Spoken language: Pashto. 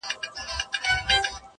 څو ورځي وروسته